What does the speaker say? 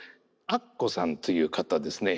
あっこさんという方ですね。